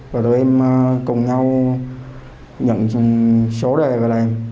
và tụi em cùng nhau nhận số đề và làm